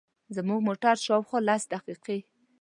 زموږ موټر شاوخوا لس دقیقې.